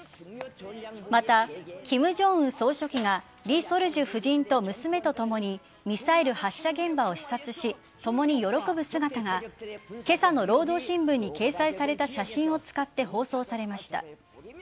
また、金正恩総書記がリ・ソルジュ夫人と娘とともにミサイル発射現場を視察し共に喜ぶ姿が今朝の労働新聞に掲載された写真を使って放送されました。